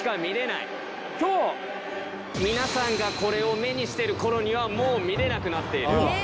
今日皆さんがこれを目にしてる頃にはもう見れなくなっている。